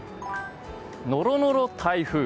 ノロノロ台風。